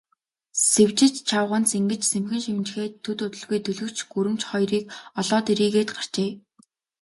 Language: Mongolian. Сэвжид чавганц ингэж сэмхэн шивнэчхээд, төд удалгүй төлгөч гүрэмч хоёрыг олоод ирье гээд гарчээ.